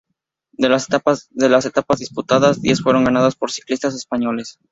De las etapas disputadas, diez fueron ganadas por ciclistas españoles.